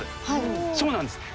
そうなんです。